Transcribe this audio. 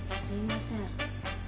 すいません。